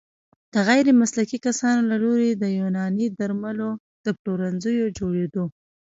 د غیرمسلکي کسانو له لوري د يوناني درملو د پلورنځيو جوړیدو